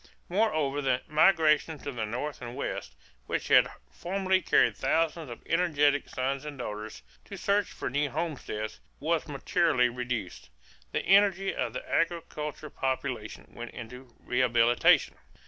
Moreover the migration to the North and West, which had formerly carried thousands of energetic sons and daughters to search for new homesteads, was materially reduced. The energy of the agricultural population went into rehabilitation.